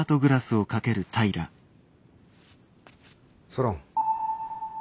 ソロン。